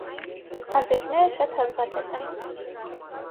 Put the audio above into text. Անձրեւները շատ հազուադէպ են։